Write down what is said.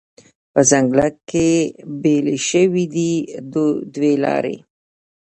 په ځنګله کې بیلې شوې دي دوې لارې